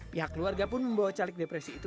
pihak keluarga pun membawa caleg depresi itu